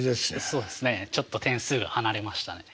そうですねちょっと点数離れましたね。